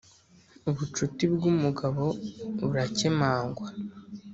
ubucuti bwumugabo burakemangwa